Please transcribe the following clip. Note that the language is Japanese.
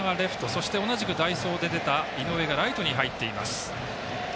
そして、同じく代走で出た井上がライトに入っています。